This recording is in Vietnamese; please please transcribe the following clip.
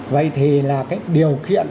vậy thì là cái điều kiện